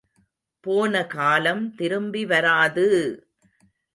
போனகாலம் திரும்பி வராது!